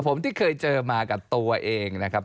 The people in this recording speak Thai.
ผมที่เคยเจอมากับตัวเองนะครับ